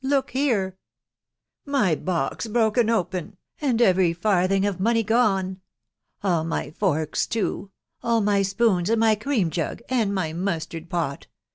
•••. look here !.... my box broken open, and every farthing of money gone. ... All my forks too !.... all my spoons, and my cream jug, and my mustard pot